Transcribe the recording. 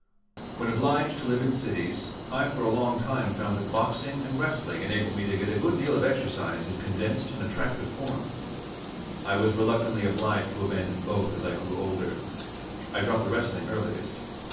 When obliged to live in cities, I for a long time found that boxing and wrestling enabled me to get a good deal of exercise in condensed and attractive form. I was reluctantly obliged to abandon both as I grew older. I dropped the wrestling earliest.